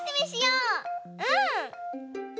うん！